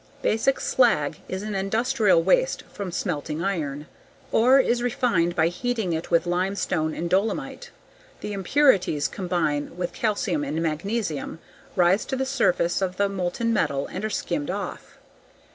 _ Basic slag is an industrial waste from smelting iron. Ore is refined by heating it with limestone and dolomite. The impurities combine with calcium and magnesium, rise to the surface of the molten metal, and are skimmed off.